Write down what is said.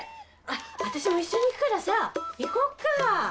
私も一緒に行くからさ行こっか。